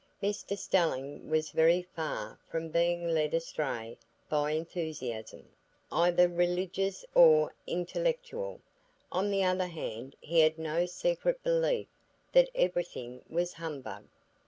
Mr Stelling was very far from being led astray by enthusiasm, either religious or intellectual; on the other hand, he had no secret belief that everything was humbug.